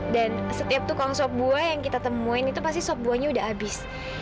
dan setiap tukang sop buah yang kita temuin itu pasti sop buahnya udah habis